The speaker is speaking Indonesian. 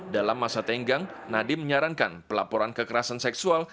dalam masa tenggang nadiem menyarankan pelaporan kekerasan seksual